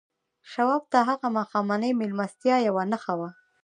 شواب ته هغه ماښامنۍ مېلمستیا یوه نښه وه